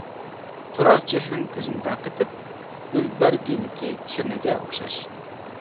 تۇرار چېھرىڭ كۆزۈمدە قېتىپ، گۈل بەرگىدىكى شىرنىگە ئوخشاش.